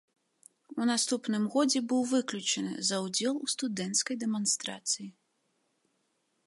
У наступным годзе быў выключаны за ўдзел у студэнцкай дэманстрацыі.